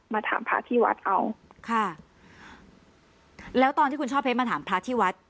ถามพระที่วัดเอาค่ะแล้วตอนที่คุณช่อเพชรมาถามพระที่วัด